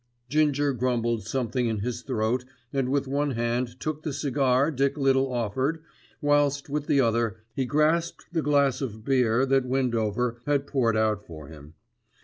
Ginger grumbled something in his throat and with one hand took the cigar Dick Little offered whilst with the other he grasped the glass of beer that Windover had poured out for him.